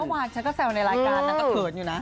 เมื่อวานฉันก็แซวในรายการนางก็เขินอยู่นะ